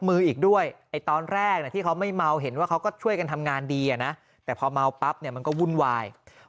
มืออีกด้วยตอนแรกที่เขาไม่เมาเห็นว่าเขาก็ช่วยกันทำ